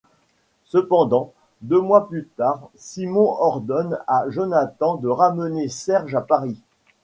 Cependant, deux mois plus tard, Simon ordonne à Jonathan de ramener Serge à Paris.